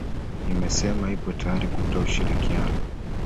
imesema ipo tayari kutoa ushirikiano